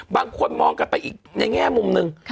บางคนมองกันไปอีกในแง่มุมหนึ่ง